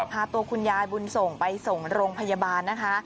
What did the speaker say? พาตัวคุณยายบุญส่งไปส่งโรงพยาบาลนะคะ